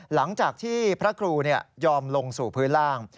หลังจากที่พระครูยอมลงสู่พื้นล่าง